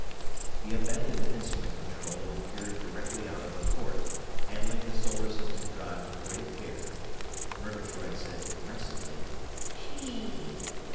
He abandoned instrument control and peered directly out of a port, handling the solar system drive with great care. Murgatroyd said depressedly, "_Chee!